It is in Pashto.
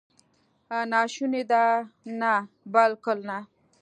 ناشونې ده؟ نه، بالکل نه!